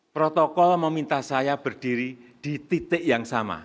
protokol meminta saya berdiri di titik yang sama